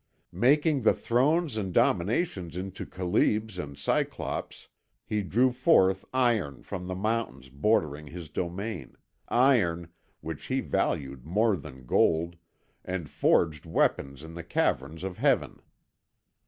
Making the Thrones and Dominations into Chalybes and Cyclopes, he drew forth iron from the mountains bordering his domain; iron, which he valued more than gold, and forged weapons in the caverns of Heaven.